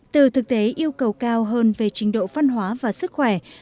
từ thực tế yêu cầu cao hơn về trình độ văn hóa và sức khỏe